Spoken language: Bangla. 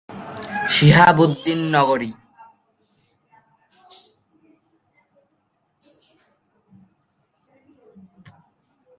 সত্তর দশকের শেষভাগে তিনি কবিতা লেখা শুরু করেন এবং অচিরেই একজন রোম্যান্টিক কবি হিসেবে পরিচিতি লাভ করেন।